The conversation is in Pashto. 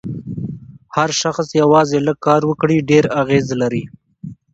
هر شخص یوازې لږ کار وکړي ډېر اغېز لري.